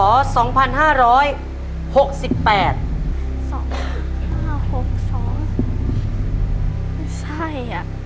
ไม่ใช่อ่ะ